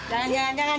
jangan jangan jangan